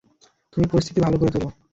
তুমি পরিস্থিতি ভালো করে তোলো।